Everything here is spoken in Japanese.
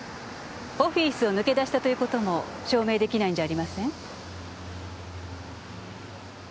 オフィスを抜け出したという事も証明できないんじゃありません？